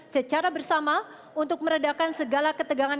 secara bersama untuk meredakan segala ketegangan